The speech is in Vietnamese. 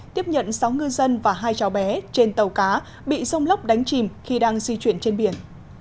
tiếp nhận sáu ngư dân và hai cháu bé trên tàu cá bị rông lốc đánh chìm khi đang di chuyển trên biển